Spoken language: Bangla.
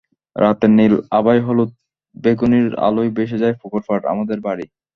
রাতের নীল আভায় হলুদ-বেগুনির আলোয় ভেসে যায় পুকুর পাড়, আমাদের বাড়ি।